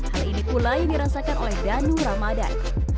hal ini pula yang dirasakan oleh danu ramadan